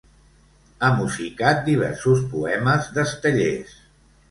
Ha musicat diversos poemes d'Estellés.